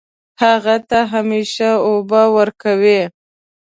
هغه ته همیشه اوبه ورکوئ